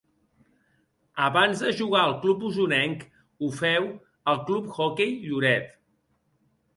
Abans de jugar al club osonenc ho féu al Club Hoquei Lloret.